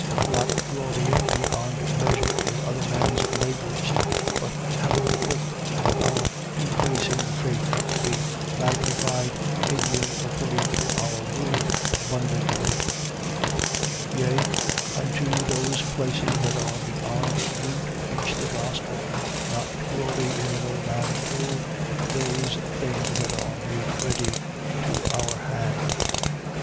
10:15. Not glorying beyond measure in other men's labours: but having hope of your increasing faith, to be magnified in you according to our rule abundantly. 10:16. Yea, unto those places that are beyond you to preach the gospel: not to glory in another man's rule, in those things that are made ready to our hand.